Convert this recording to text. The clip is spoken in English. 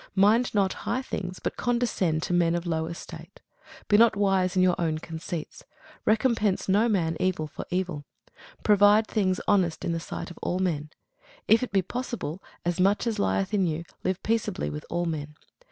Mind not high things, but condescend to men of low estate. Be not wise in your own conceits. Recompense to no man evil for evil. Provide things honest in the sight of all men. If it be possible, as much as lieth in you, live peaceably with all men.